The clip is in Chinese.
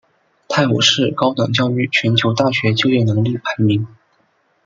泰晤士高等教育全球大学就业能力排名。